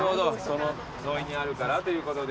その沿いにあるからということで。